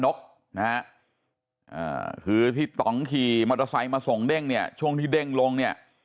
กนะฮะคือที่ต่องขี่มอเตอร์ไซค์มาส่งเด้งเนี่ยช่วงที่เด้งลงเนี่ย